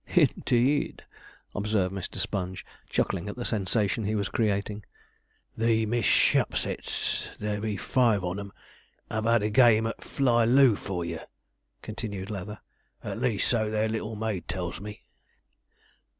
'Indeed,' observed Mr. Sponge, chuckling at the sensation he was creating. 'The Miss Shapsets, there be five on 'em, have had a game at fly loo for you,' continued Leather, 'at least so their little maid tells me.'